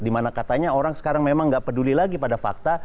dimana katanya orang sekarang memang nggak peduli lagi pada fakta